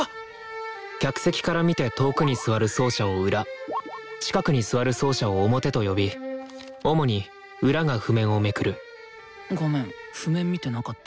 客席から見て遠くに座る奏者を「裏」近くに座る奏者を「表」と呼び主に「裏」が譜面をめくるごめん譜面見てなかった。